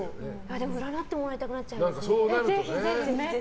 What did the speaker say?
でも占ってもらいたくなっちゃう。